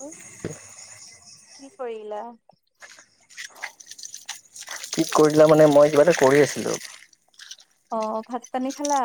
কি কৰিলা কি কৰিলা মানে মই কিবা এটা কৰি আছিলোঁ। অহ ভাত পানী খালা?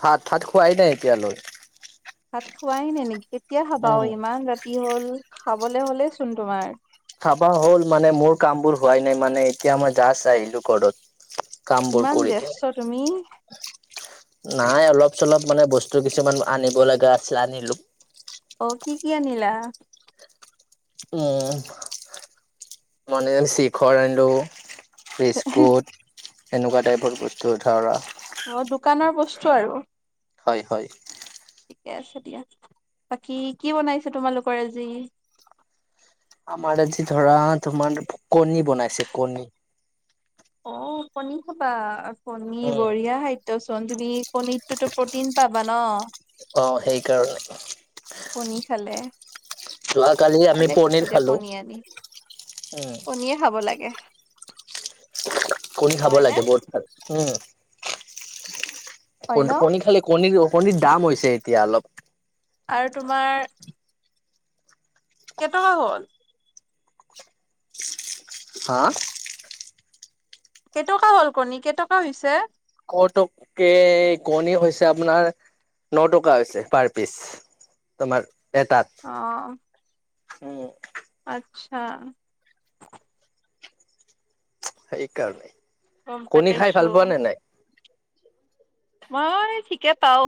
ভাত ভাত খোৱাই নাই এতিয়ালৈ ভাত খোৱাই নে নেকি কেতিয়া খাবা উম। ইমান ৰাতি হল খাবলৈ হলে চোন তোমাৰ খাবা হ'ল মানে মোৰ কাম বোৰ হোৱাই নাই মানে এতিয়া মই জাষ্ট আহিলো ঘৰত। কাম বোৰ ইমান কৰি কিনে। ব্যস্ত তুমি নাই অলপ চলপ মানে বস্তু কিছুমান আনিব লগা আছিল আনিলো। অ', কি কি আনিলা? উম মানে শিখৰ আনিলোঁ, বিস্কুট এনেকুৱা টাইপৰ বস্তু ধৰা অ দোকানৰ বস্তু আৰু হয় হয় ঠিকে আছে দিয়া বাকী কি বনাইছে তোমালোকৰ আজি আমাৰ আজি ধৰা তোমাৰ কণী বনাইছে কণী। অ কণী খাবা কণী উম। বঢ়িয়া খাদ্য। তুমি কণী টোত টৌ প্ৰ'টিন পাবা ন। অ সেইকাৰণে কণী খালে যোৱাকালি আমি ভালেই পিছে পনিৰ দিয়া খালো কণী আনি উম। কণীয়ে খাব লাগে। কণী খাব নহয় নে? লাগে বহুত ভাল উম। হয় কণ ন? কণী খালে কণীৰ কণীৰ দাম হৈছে এতিয়া অলপ। আৰু তোমাৰ কেইটকা হ'ল। হা কেইটকা হল কণী কেইটকা হৈছে? কটকে কণী হৈছে আপোনাৰ, ন টকা হৈছে পাৰ পিচ তোমাৰ আহ অ। আচ্ছা। সেইকাৰণেই গম কণী খাই পাইছো ভাল পোৱা নে নাই। মই ঠিকে পাও।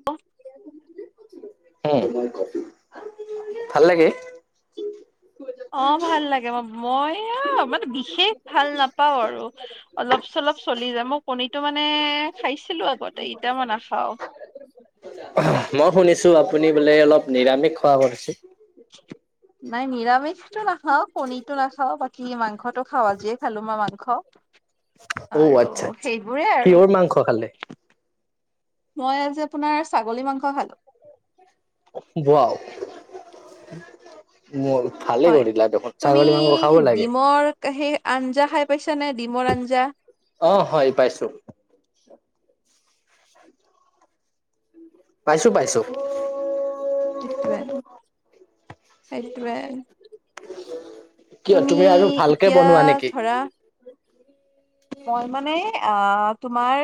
উ ভাল লাগে। অ ভাল লাগে ম মই অ মানে বিশেষ ভাল নাপাও আৰু অলপ চ। অলপ চলি যায় মই কণীটো মানে খাইছিলোঁ আগতে এতিয়া মই নাখাওঁ। মই শুনিছো আপুনি বোলে অলপ নিৰামিষ খোৱা কৰিচে। নাই নিৰামিষটো নাখাও কণীটো নাখাওঁ বাকী মাংসটো খাওঁ আজিয়ে খালো মই মাংস। অ আৰু আচ্ছা আচ্ছা সেইবোৰেই আৰু। কিহৰ মাংস খালে মই আজি আপোনাৰ ছাগলী মাংস খালো। উৱাও ম ভালে হয় কৰিলা দেখোন তুমি ছাগলী মাংস খাব লাগে। ডিমৰ সেই আঞ্জা খাই পাইছা নে ডিমৰ আঞ্জা। অ হয় পাইছো পাইছো পাইছো। সেইটোৱেই সেইটোৱেই। কিয় তুমি আৰু ভালকে এতিয়া বনোৱা নেকি ধৰা। মই মানে আহ তোমাৰ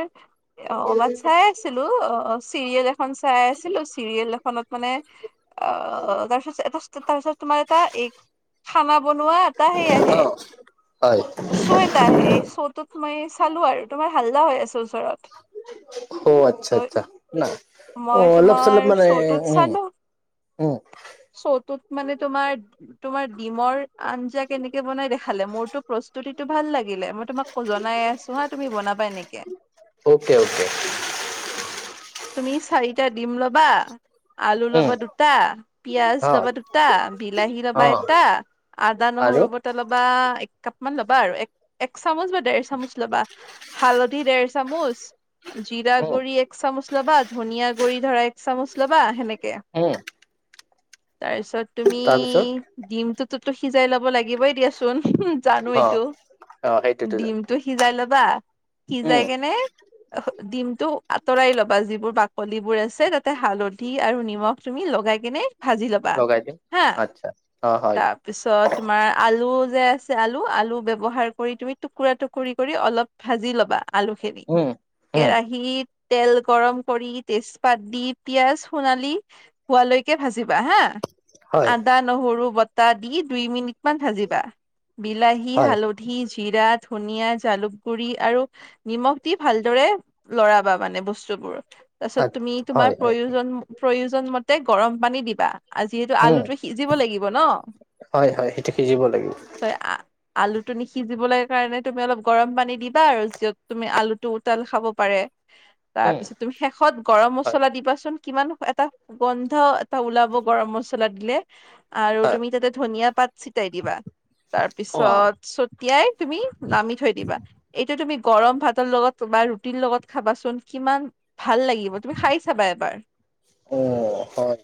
বাদ চাই আছিলো অ। অ চিৰিয়েল এখন চাই আছিলো চিৰিয়েল এখনত মানে অ তাৰপিছত এটা তাৰপিছত। তোমাৰ এটা এই খানা। বনোৱা এটা সেই আহে অ হয় চ' এটা আহে চ। মই চালো আৰু তোমাৰ হাল্লা হৈ আছে ওচৰত ত। মই অলপ চলপ তোমাৰ মানে চৌতত উম চালো উম চৌতত। মানে তোমাৰ তোমাৰ ডিমৰ আঞ্জা কেনেকে বনাই দেখালে মোৰতটো প্ৰস্তুতিতটো ভাল লাগে। লে মই তোমাক জনাই আছো হা তুমি বনাবা এ নেকে। তে।। [unintelligible] তুমি চাৰিটা দিম লবা। আলু উম লবা দুটা পিয়াজ অ লবা দুটা বিলাহী ল'বা অ এটা আদা। আদা আৰু নহৰু বটা লবা। এক কাপ ম ল'বা আৰু এক এক চামুচ বা ডেৰ চামুচ ল'বা হালধি ডেৰ চামুচ। জিৰা উম গুৰি এক চামুচ ল'বা ধনিয়া গুৰি ধৰা এক চামুচ ল'বা সেনেকে। আহ তাৰপিছত তুমি ডিমটোতোতো সিজাই ল'ব লাগিবই দিয়াচোন। জানো অ এইটো অ সেইটোতো যাম ডিমটো সিজাই ল'বা। সিজাই উম কেনে ডিমটো আঁতৰাই লবা। বা যিবোৰ বাকলি বোৰ আছে তাতে হালধি আৰু নিমখ তুমি লগাই কেনে, ভাজি ল'বা, লগাই দিম হা! আচ্ছা অ হয় তাৰপিছত তোমাৰ আলু। যে আছে আলু, আলু ব্যৱহাৰ কৰি তুমি টুকুৰা-টুকুৰি কৰি অলপ ভাজি ল'বা। আলুখিনি, উম উম কেৰাহীত তেল। গৰম কৰি তেজপাত দি পিয়াঁজ সোণালী হোৱালৈকে ভাজিবা হা! হয় আদা-নহৰু বটা দি দুই মিনিটমান ভাজিবা। বিলাহি, হয় হালধি জিৰা, ধনীয়া, জালুক গুৰি আৰু নিমখ দি ভালদৰে লৰাবা মানে বস্তু। তাৰ পিছত হয় তুমি তোমাৰ হয় হয় প্ৰয়োজন, প্ৰয়োজনমতে গৰম পানী দিবা। যিহেতু উম আলুটো সিজিব লাগিব ন? হয় হয় সেইটো সিজিব লাগিব আলুটো নিসিজিবলৈ কাৰণে তুমি অলপ গৰম পানী দিবা আৰু। য'ত তুমি আলুটো উতাল খাব পাৰে। উম তাৰপিছত তুমি শেষত গৰম হয় মছলা দিবাচোন। কিমান এটা গোন্ধ এটা ওলাব, গৰম মছলা দিলে। আৰু হয় তুমি তাতে ধনিয়া পাত ছটাই দিবা। ৱাও তাৰপিছত ছটিয়াই তুমি নামি থৈ দিবা। এইটো তুমি। গৰম ভাতৰ লগত বা ৰুটিৰ লগত খাবাচোন, কিমান। ভাল লাগিব, তুমি খাই চাবা এবাৰ। অ হয়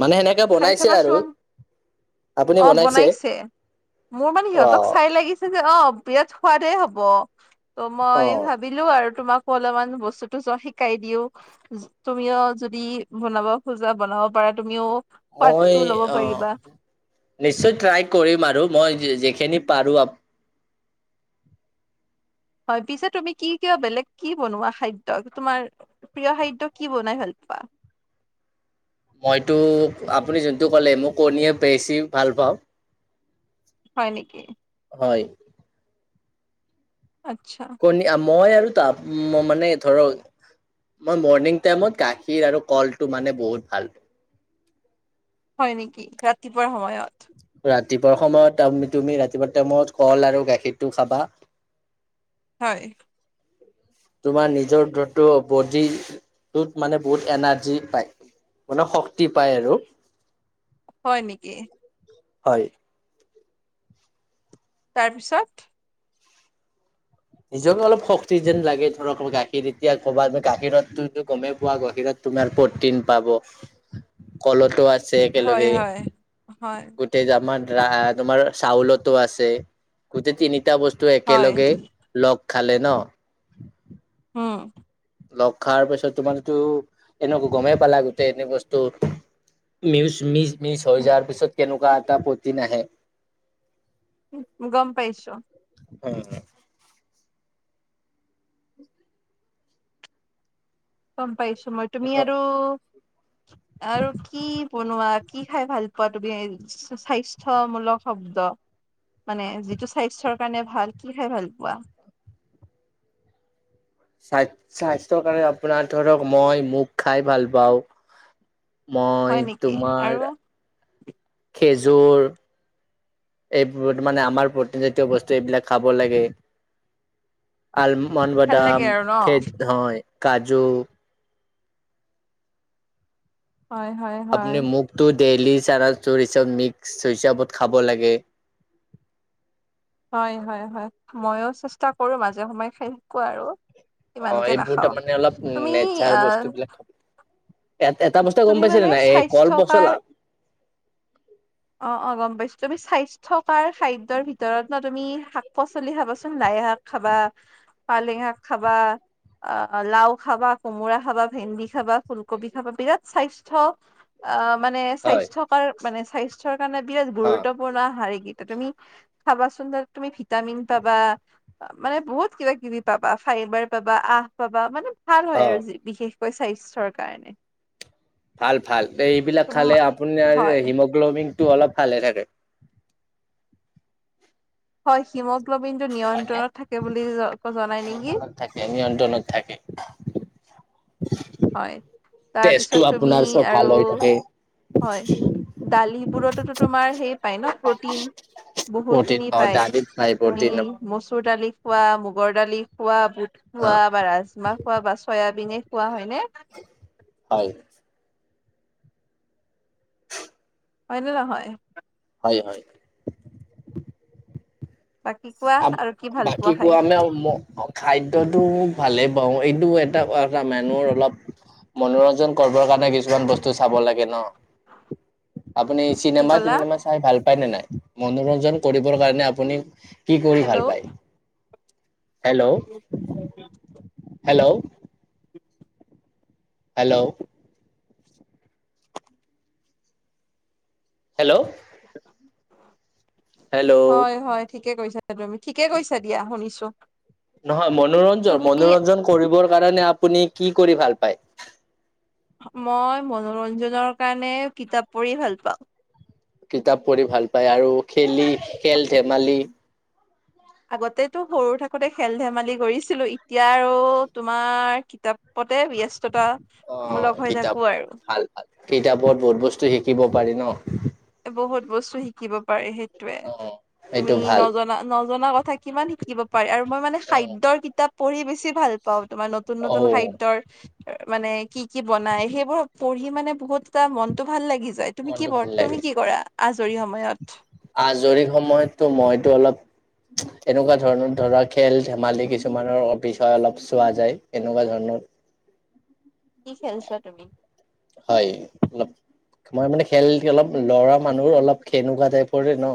মানে সেনেকে খাই বনাইছে আৰু। চাবাচোন অ' বনাইছে। মোৰ মানে সিহঁতক ৱাও চাই লাগিছে, অ' বিৰাট সোৱাদেই হ'ব। ত' অ মই ভাবিলো আৰু। তোমাকো অলপমান বস্তুতো শিকাই দিও। তুমিও যদি বনাব খোজা বনাব পাৰা। তুমিও মই, সোৱাদটো ল'ব পাৰিবা অ' নিশ্চয় ট্ৰাই কৰিম আৰু মই। যিখিনি পাৰো আপ। হয়, পিছে তুমি কি কিয় বেলেগ কি বনোৱা খাদ্য? তোমাৰ প্ৰিয় খাদ্য কি বনাই ভাল প [unintelligible] মইতো আপুনি যোনটো ক'লে মই কণীয়ে বেছি ভাল পাওঁ। হয় নেকি? হয়। আচ্ছা। কণী মই আৰু তাৰপ মানে ধৰক। মই মৰ্ণিং টাইমত গাখীৰ আৰু কলটো মানে বহুত ভাল। হয় নেকি? ৰাতিপুৱাৰ সময়ত। ৰাতিপুৱাৰ সময়ত, ত-তুমি ৰাতিপুৱা টাইমত কল আৰু গাখীৰটো খাবা। হয়। তোমাৰ নিজৰ বডিটোত মানে বহুত এনাৰ্জি পায়। মানে শক্তি পায় আৰু! হয় নেকি? হয়। তাৰপিছত? নিজকে অলপ শক্তি যেন লাগে, ধৰক গাখীৰ এতিয়া ক'বাত গাখীৰততো গমেই পোৱা, গাখীৰত। তোমাৰ প্ৰ'টিন পাব, কলতো আছে। আছে হয় একেলগে, হয় হয় গোটেই জামাৰ। তোমাৰ চাউলতো আছে, গোটেই তিনিটা বস্তু হয় একেলগে। লগ খালে ন? উম। লগ খাৰ পিছত তোমাৰেতো এনেকা গমেই পালা, গোটেই এনে বস্তু। মিউচ, মিছ মিছ হৈ যোৱাৰ পিছত কেনেকুৱা এটা প্ৰ'টিন আহে। গম পাইছো। উম। গম পাইছো, মই তুমি আৰু! আৰু কি। বনোৱা? কি খাই ভাল পোৱা তুমি? স্বাস্থ্যমূলক শব্দ। মানে যিটো স্বাস্থ্যৰ কাৰণে ভাল কি খাই ভাল পোৱা। [unintelligible] স্বাস্থ স্বাস্থ্যৰ কাৰণে আপোনাৰ ধৰক মই মুখ খাই ভাল পাওঁ। হয় মই নেকি আৰু তোমাৰ। খেজুৰ। এইবোৰত মানে আমাৰ প্ৰতিন জাতীয় বস্তু এইবিলাক খাব লাগে। আলমণ্ ভাল লাগে বাদাম আৰু ন খে হয় কাজু। হয়, হয়, হয়। দেলি চানা চোৰিচব মিক্স [unintelligible] হিচাবত খাব লাগে। হয় হয় হয় মইয়ো চেষ্টা কৰো মাজে সময়ে খাই শিকো আৰু। অ ইমানকে এইবোৰ নাখাও তাৰ মানে অলপ তুমি নেচাৰ আহ বস্তু বিলাক খাব এ এটা বস্তু গম তুমি পাইছে নে মানে নাই এই কল স্বাস্থ্য কাৰ পচলা অ অ গম পাইছো তুমি স্বাস্থ্য কাৰ খাদ্যৰ ভিতৰত ন তুমি শাক পাচলি খাবচোন লাগ লাই শাক খাবা, পালেং শাক খাবা অঁ লাওঁ খাবা, কোমোৰা খাবা, ভেন্দি খাবা, ফুলকবি খাবা বিৰাট স্বাস্থ্য অঁ মানে হয় স্বাস্থ্য কাৰ মানে স্বাস্থ্যৰ কাৰণে বিৰাট অ গুৰুত্বপূৰ্ণ হাৰ কি তুমি খাবা চুন্দৰ তুমি ভিটামিন পাবা মানে বহুত কিবা কিবি পাবা ফাইবাৰ পাবা আহ পাবা মানে ভাল অ হয় আৰু বিশেষ কৈ স্বাস্থ্যৰ কাৰণে। ভাল ভাল এইবিলাক তুম খালে আপোনাৰ হয় হিমোগ্ল'বিনটো অলপ ভালে থাকে। হয় হিম- গ্লবিন টো হয়নে? নিয়ন্ত্ৰণত থাকে বুলি জনাই নেকি নিয়ন্ত্ৰণত থাকে নিয়ন্ত্ৰণত থাকে হয় তেজটো তাৰপিছত তুমি আপোনাৰ চব ভাল আৰু হৈ থাকে। হয় দালিবোৰতোতো তোমাৰ সেই পাই ন প্ৰ'টিন বহু প্ৰটিন খিনি অ পায় দালিত পাই তুমি প্ৰটিন মচুৰ দালি খোৱা মগৰ দালি খোৱা বুট অ খোৱা বা ৰাজমাহ খোৱা বা চয়াবিনে খোৱা হয় হয় হয়নে নহয় হয় হয় বাকী কোৱা আৰু কি ভাল পোৱা বাকী খাই কোৱানে ম খাদ্যটো ভালে পাওঁ এইটো এটা এটা মানুহৰ অলপ মনোৰঞ্জন কৰিবৰ কাৰণে কিছুমান বস্তু চাব লাগে ন। আপুনি কি চিনেমা ক'লা তিনেমা চাই ভাল পাই নে নাই মনোৰঞ্জন কৰিবৰ কাৰণে আপুনি কি কৰি ভাল হেল্ল' পায় hello hello hello hello hello হয় হয় ঠিকে কৈছ [unintelligible] ঠিকে কৈছা দিয়া শুনিছো নহয় মনোৰঞ্জন তুমি মনোৰঞ্জন কৰিবৰ কাৰণে আপুনি কি কৰি ভাল পায় মই মনোৰঞ্জনৰ কাৰণে কিতাপ পঢ়ি ভাল পাওঁ কিতাপ পঢ়ি ভাল পায় আৰু খেলি খেল ধেমালি আগতেতো সৰু থাকোতে খেল ধেমালি কৰিছিলো এতিয়া আৰু তোমাৰ কিতাপ পত তে অ', ব্যস্ততামূলক হৈ কিতাপ থাকো আৰু ভাল ভাল কিতাপত বহুত বস্তু শিকিব পাৰি ন। বহুত বস্তু শিকিব পাৰি সেইটোৱে অ', সেইটো তুমি ভাল নজনা ন জনা কথা কিমান শিকিব পাৰাৰে আৰু মই মানে অ', খাদ্যৰ কিতাপ পঢ়ি বেছি ভাল পাওঁ। তোমাৰ নতুন নতুন অ', খাদ্যৰ মানে কি কি বনাই সেইবোৰ পঢ়ি মানে বহুত এটা মনতটো ভাল লাগি যায় তুমি কি মনটো ভাল বৰ্ত- তুমি লাগে। কি কৰা আজৰি সময়ত আজৰি সময়ততো মইতো অলপ এনেকুৱা ধৰণৰ ধৰা খেল ধেমালি কিছুমানৰ বিষয় অলপ চোৱা যায় এনেকুৱা ধৰণৰ হয় কি খেলচোৱা তুমি? হয় অলপ মই মানে খেল অলপ ল'ৰা মানুহ অলপ সেনেকুৱা টাইপৰে ন,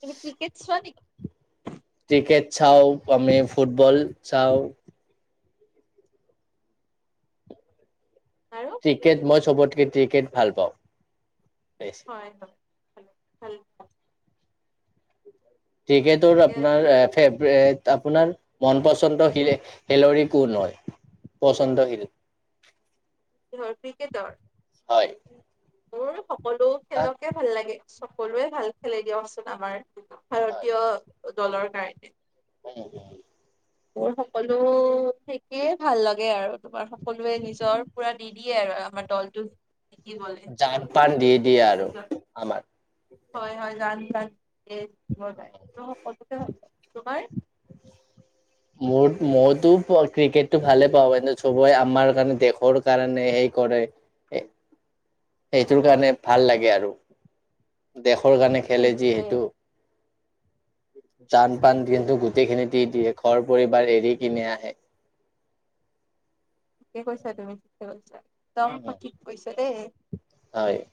তুমি ক্ৰিকেট চোৱা নেকি‌? ক্ৰিকেট চাও আমি ফুটবল চাওঁ‌, আৰু ক্ৰিকেট মই চবতকে ক্ৰিকেট ভাল পাওঁ‌। হয় হয় ভাল ক্ৰিকেট তোৰ আছে আপোনাৰ দিয়া। ফেভৰেট। আপোনাৰ মন পচন্দ শিল খেলৰি কোন হয় পচন্দ শিল [unintelligible] কিহৰ ক্ৰিকেটৰ হয় মোৰ সকলো কাক খেলকে ভাল লাগে সকলোৱে ভাল খেলে দিয়কচোন আমাৰ। ভাৰতীয় দলৰ কাৰণে, হয় উ মোৰ সকলো ঠিকেই, ভাল লাগে আৰু তোমাৰ সকলোৱে নিজৰ পুৰা দি দিয়ে আৰু আমাৰ দলটো কি যান পান দি দিয়ে আৰু আমাৰ হয় হয় গান গান যায় ক ভাল তোমাৰ [unintelligible] মোৰ মইতো ক্ৰিকেটটো ভালে পাওঁ কি চবে আমাৰ কাৰণে দেশৰ কাৰণে সেই কৰে সেইটোৰ কাৰণে ভাল লাগে আৰু। দেশৰ কাৰণে খেলে সেইটোৱে যিহেতু, যান পান কিন্তু গোটেইখিনি দি দিয়ে ঘৰ পৰিবাৰ এৰি কিনেনে আহে। [unintelligible] ঠিকে কৈছা তুমি, ঠিকে কৈছা, ‌একদম ঠিক কৈছা দেই। হয়